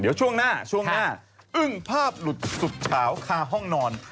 เดี๋ยวช่วงหน้าอึ้งภาพหลุดสุดเฉาค่าห้องนอน